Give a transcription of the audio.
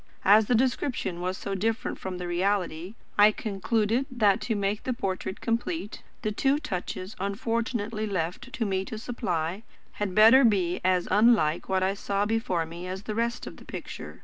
As the description was so different from the reality, I concluded that, to make the portrait complete, the two touches unfortunately left to me to supply, had better be as unlike what I saw before me as the rest of the picture.